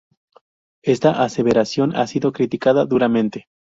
Esta aseveración ha sido criticada duramente.